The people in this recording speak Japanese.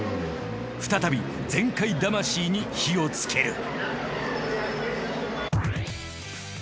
再び全開魂に火をつける決勝。